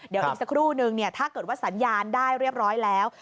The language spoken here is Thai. เดี๋ยวอีกสักครู่นึงถ้าเกิดว่าสัญญาณได้เรียบร้อยแล้ว